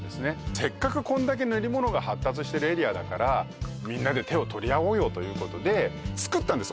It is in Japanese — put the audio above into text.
せっかくこんだけ練り物が発達してるエリアだからみんなで手を取り合おうよということで作ったんです